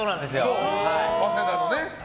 早稲田のね。